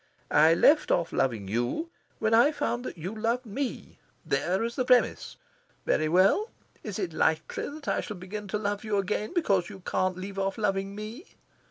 I left off loving you when I found that you loved me. There is the premiss. Very well! Is it likely that I shall begin to love you again because you can't leave off loving me?"